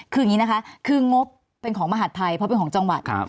คืออย่างนี้นะคะคืองบเป็นของมหาดไทยเพราะเป็นของจังหวัด